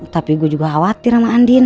tapi gue juga khawatir sama andin